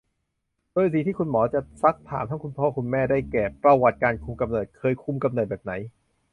โดยสิ่งที่คุณหมอจะซักถามทั้งคุณพ่อคุณแม่ ได้แก่ ประวัติการคุมกำเนิด เคยคุมกำเนิดแบบไหน